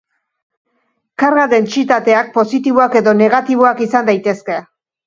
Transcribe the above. Karga-dentsitateak positiboak edo negatiboak izan daitezke.